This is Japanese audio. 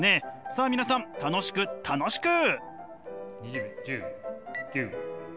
さあ皆さん楽しく楽しく！